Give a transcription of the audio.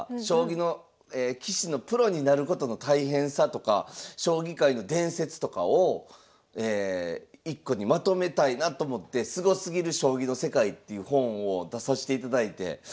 将棋の棋士のプロになることの大変さとか将棋界の伝説とかを一個にまとめたいなと思って「すごすぎる将棋の世界」っていう本を出さしていただいて。